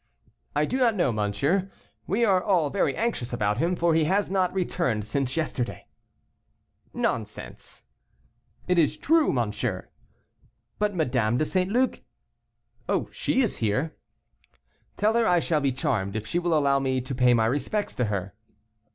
"I do not know, monsieur. We are all very anxious about him, for he has not returned since yesterday." "Nonsense." "It is true, monsieur." "But Madame de St. Luc?" "Oh, she is here." "Tell her I shall be charmed if she will allow me to pay my respects to her."